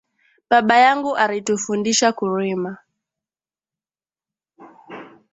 Baba yangu ari tufundisha kurima